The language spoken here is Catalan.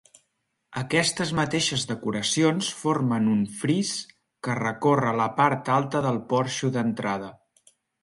Aquestes mateixes decoracions formen un fris que recorre la part alta del porxo d'entrada.